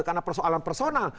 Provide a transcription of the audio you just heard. karena persoalan personal